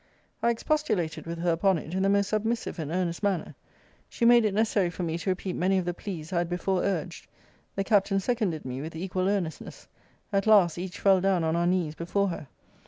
I expostulated with her upon it, in the most submissive and earnest manner. She made it necessary for me to repeat many of the pleas I had before urged. The Captain seconded me with equal earnestness. At last, each fell down on our knees before her.